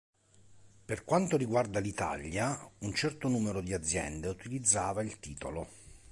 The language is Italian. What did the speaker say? Per quanto riguarda l'Italia, un certo numero di aziende utilizzava il titolo.